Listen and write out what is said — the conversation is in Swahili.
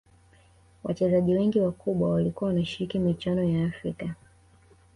Wachezaji wengi wakubwa walikuwa wanashiriki michuano ya afrika